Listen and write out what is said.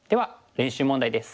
練習問題です。